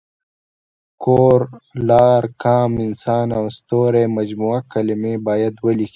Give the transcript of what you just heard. کور، لار، قام، انسان او ستوری جمع کلمې باید ولیکي.